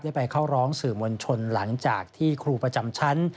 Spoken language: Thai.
ไปเข้าร้องสื่อมวลชนหลังจากที่ครูประจำชั้น